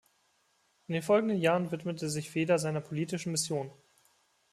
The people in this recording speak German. In den folgenden Jahren widmete sich Feder seiner politischen Mission.